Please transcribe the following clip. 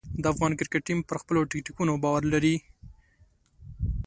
د افغان کرکټ ټیم پر خپلو ټکتیکونو باور لري.